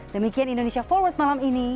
demikian indonesia forward malam ini